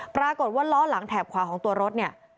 ปรากฏว่าล้อหลังแถบขวาของตัวรถเนี่ย